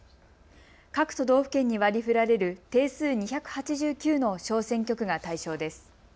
各都道府県に割りふられる定数２８９の小選挙区が対象です。